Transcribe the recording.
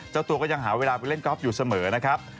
เจ้าตัวก็ยังหาเวลาไปเล่นกอล์ฟอยู่เสมอนะครับ